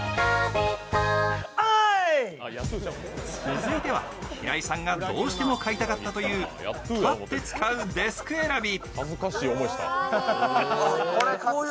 続いては平井さんがどうしても買いたかったという立って使うデスク選び。